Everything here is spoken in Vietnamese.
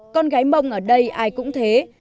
con gái mông ở đây ai cũng thế